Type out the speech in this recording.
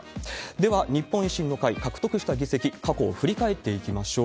では、日本維新の会、獲得した議席、過去を振り返っていきましょう。